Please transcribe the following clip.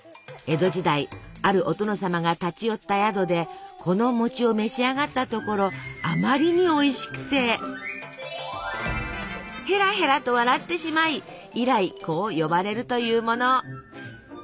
江戸時代あるお殿様が立ち寄った宿でこの餅を召し上がったところあまりにおいしくて「へらへら」と笑ってしまい以来こう呼ばれるというもの。